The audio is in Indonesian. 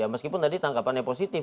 meskipun tadi tangkapannya positif